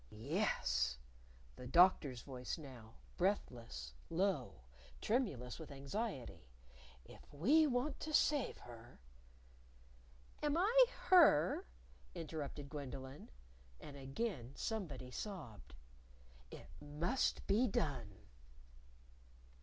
"Yes," the Doctor's voice now, breathless, low, tremulous with anxiety. "If we want to save her " "Am I her?" interrupted Gwendolyn. (And again somebody sobbed!) " _It must be done!